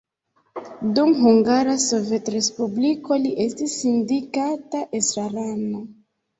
Dum Hungara Sovetrespubliko li estis sindikata estrarano.